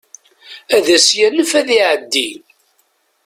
Ad as-yanef ad iɛeddi.